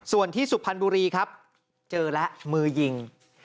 ส่วนที่สุพรรณบุรีครับเจอแล้วมือยิง